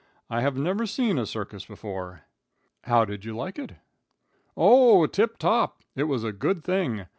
I have never saw a circus before." "How did you like it?" "O, tip top. It was a good thing.